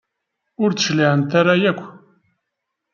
Ur d-cliɛent ara yakk.